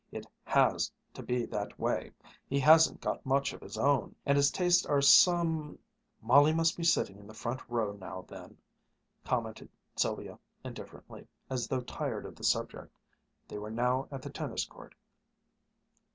It has to be that way! He hasn't got much of his own, and his tastes are some " "Molly must be sitting in the front row, then," commented Sylvia indifferently, as though tired of the subject. They were now at the tennis court.